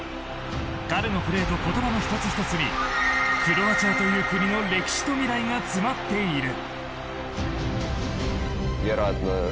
彼のプレーと言葉の１つ１つにクロアチアという国の歴史と未来が詰まっている。